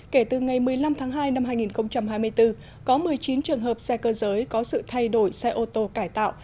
kể từ ngày một mươi năm tháng hai năm hai nghìn hai mươi bốn có một mươi chín trường hợp xe cơ giới có sự thay đổi xe ô tô cải tạo